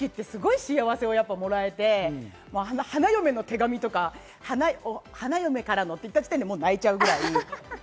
結婚式ってすごい幸せをもらえて花嫁の手紙とか、花嫁からのって言った時点で泣いちゃうぐらい。